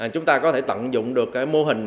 chúng ta có thể tận dụng được mô hình